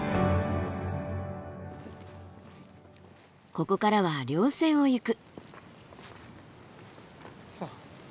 ここからは稜線を行く。